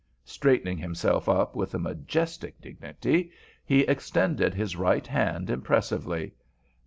Straightening himself up with a majestic dignity, he extended his right hand impressively.